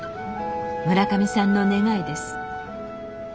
村上さんの願いです。